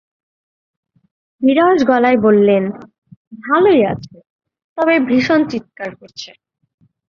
বিরস গলায় বললেন, ভালোই আছে, তবে ভীষণ চিৎকার করছে।